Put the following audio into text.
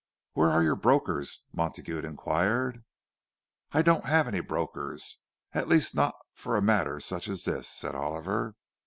"Where are your brokers?" Montague inquired. "I don't have any brokers—at least not for a matter such as this," said Oliver.